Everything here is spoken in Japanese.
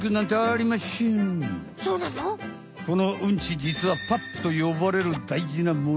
じつはパップとよばれるだいじなもの。